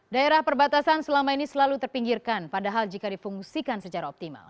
daerah perbatasan selama ini selalu terpinggirkan padahal jika difungsikan secara optimal